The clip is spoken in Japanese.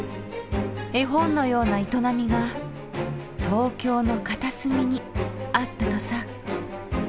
絵本のような営みが東京の片隅にあったとさ。